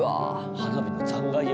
花火の残骸よ。